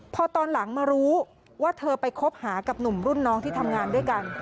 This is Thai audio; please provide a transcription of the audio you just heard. พอตอนหลังมารู้ว่าเธอไปคบหากับหนุ่มรุ่นน้องที่ทำงานด้วยกัน